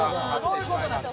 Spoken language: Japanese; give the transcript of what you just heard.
そういう事なんです。